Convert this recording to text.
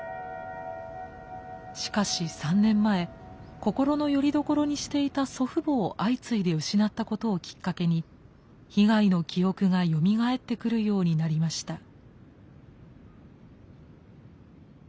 しかし３年前心のよりどころにしていた祖父母を相次いで失ったことをきっかけに被害の記憶がよみがえってくるようになりました。